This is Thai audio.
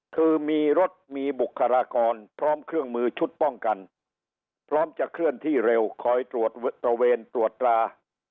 คือมีรถมีบุคลากรพร้อมเครื่องมือชุดป้องกันพร้อมจะเคลื่อนที่เร็วคอยตรวจตระเวนตรวจตรา